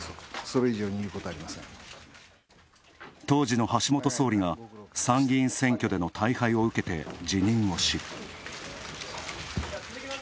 当時の橋本総理が参議院選挙での大敗を受けて、辞任をし。